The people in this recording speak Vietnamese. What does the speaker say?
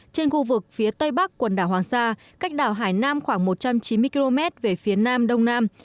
trên khu vực phía tây bắc quần đảo hoàng sa cách đảo hải nam khoảng một trăm chín mươi km về phía nam đông nam